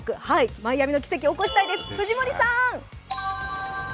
マイアミの奇跡を起こしたいです。